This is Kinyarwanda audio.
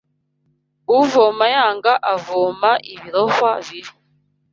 Uvoma yanga avoma ibirohwa bibi